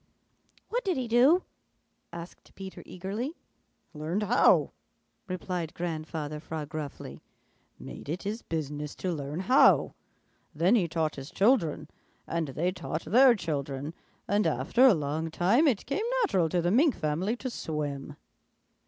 "What did he do?" asked Peter eagerly. "Learned how," replied Grandfather Frog gruffly. "Made it his business to learn how. Then he taught his children, and they taught their children, and after a long time it came natural to the Mink family to swim."